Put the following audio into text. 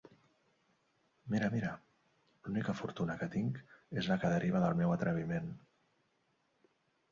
Mira, mira: «L'única fortuna que tinc és la que deriva del meu atreviment.